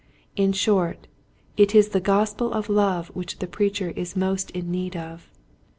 In short it is the gospel of love which the preacher is most in need of.